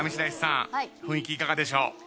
雰囲気いかがでしょう？